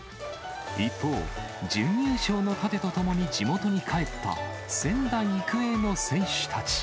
一方、準優勝の盾とともに地元に帰った、仙台育英の選手たち。